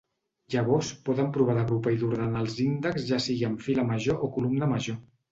Llavors, podem provar d'agrupar i d'ordenar els índexs ja sigui en fila major o columna major.